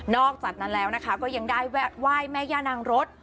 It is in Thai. นอกจากนั้นแหลวก็ยังได้แหวะไหว้แม่ยานางรถ